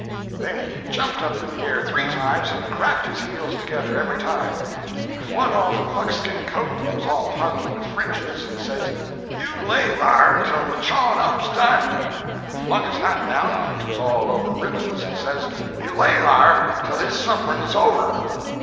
Then he jumped up in the air three times and cracked his heels together every time. He flung off a buckskin coat that was all hung with fringes, and says, 'You lay thar tell the chawin up's done;' and flung his hat down, which was all over ribbons, and says, 'You lay thar tell his sufferin's is over.'